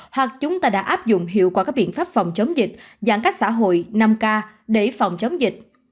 hoặc chúng ta đã áp dụng hiệu quả các biện pháp phòng chống dịch giãn cách xã hội năm k để phòng chống dịch